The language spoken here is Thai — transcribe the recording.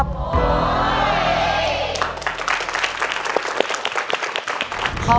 ขอบคุณครับ